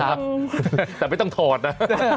นะครับแต่ไม่ต้องถอดนะ